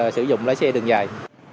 sử dụng lái xe đường dài